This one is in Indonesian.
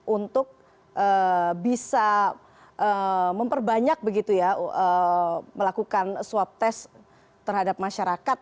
untuk bisa memperbanyak begitu ya melakukan swab test terhadap masyarakat